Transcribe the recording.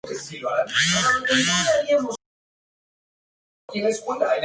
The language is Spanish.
La escasez de materias primas y alimentos se agrava.